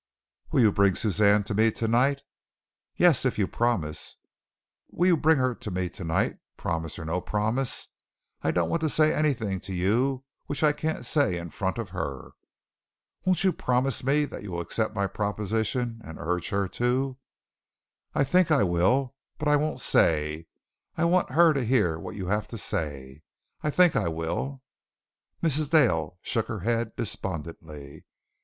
"Will you bring Suzanne to me tonight?" "Yes, if you promise." "Will you bring her to me tonight, promise or no promise? I don't want to say anything to you which I can't say in front of her." "Won't you promise me that you will accept my proposition and urge her to?" "I think I will, but I won't say. I want her to hear what you have to say. I think I will." Mrs. Dale shook her head despondently.